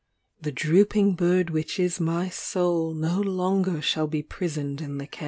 the drooping bird which is my soul No longer shall be prisoned in the cage.